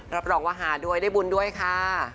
รับรองว่าหาด้วยได้บุญด้วยค่ะ